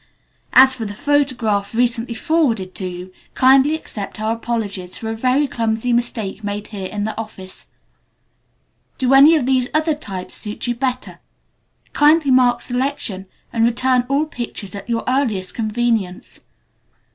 As for the photograph recently forwarded to you, kindly accept our apologies for a very clumsy mistake made here in the office. Do any of these other types suit you better? Kindly mark selection and return all pictures at your earliest convenience."